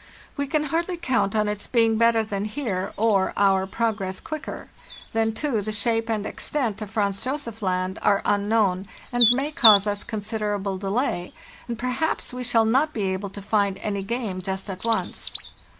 We can hardly count on its being better than here, or our progress quicker. Then, too, the shape and extent of Franz Josef Land are un known, and may cause us considerable delay, and per haps we shall not be able to find any game just at once.